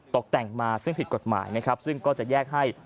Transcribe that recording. ตกแต่งมาซึ่งผิดกฎหมายนะครับซึ่งก็จะแยกให้